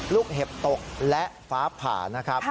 ลูกเห็บตกและฟ้าผ่า